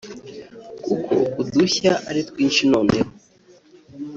kuko udushya ari twinshi noneho